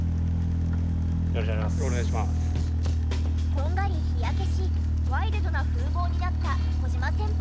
こんがり日焼けしワイルドな風貌になった小島先輩。